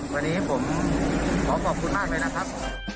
วันนี้ผมขอขอบคุณมากเลยนะครับ